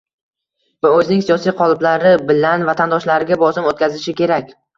va o‘zining siyosiy qoliplari bilan vatandoshlariga bosim o‘tkazishi kerak.